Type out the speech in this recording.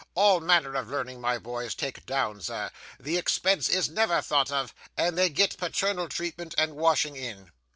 All manner of learning my boys take down, sir; the expense is never thought of; and they get paternal treatment and washing in.